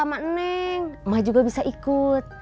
mak neng mak juga bisa ikut